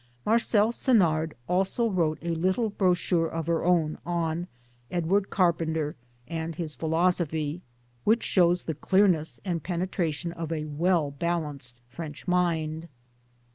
Marcelle Senard wrote also a little brochure of her own on Edward Carpenter et sa Philosophies which shows the clearness and penetration of a well balanced French mind.